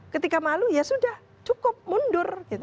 ketika malu ya sudah cukup mundur